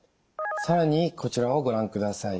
更にこちらをご覧ください。